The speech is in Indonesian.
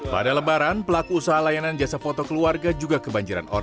pada lebaran pelaku usaha layanan jasa foto keluarga juga kembali ke jawa tengah